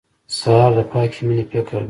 سهار د پاکې مېنې فکر دی.